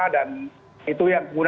dan itu yang terjadi